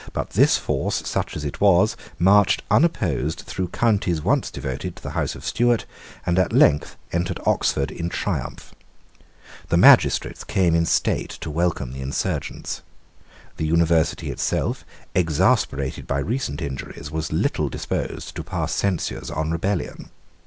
But this force, such as it was, marched unopposed through counties once devoted to the House of Stuart, and at length entered Oxford in triumph. The magistrates came in state to welcome the insurgents. The University itself, exasperated by recent injuries, was little disposed to pass censures on rebellion.